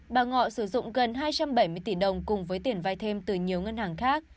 bà ngọ sử dụng gần hai trăm bảy mươi tỷ đồng cùng với tiền vai thêm từ nhiều ngân hàng khác